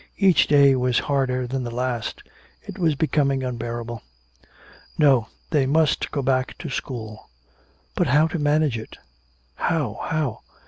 Each day was harder than the last. It was becoming unbearable! No, they must go back to school. But how to manage it? How? How?